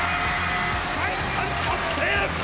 ３冠達成！